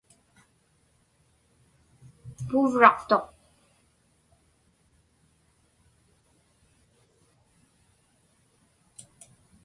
Puuvraqtuq.